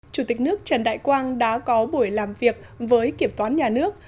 chủ tịch nước trần đại quang đã có buổi làm việc với kiểm toán nhà nước